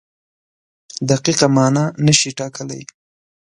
دقیقه مانا نشي ټاکلی.